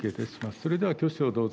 それでは挙手をどうぞ。